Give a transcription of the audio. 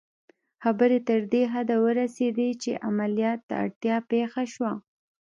خبره تر دې حده ورسېده چې عملیات ته اړتیا پېښه شوه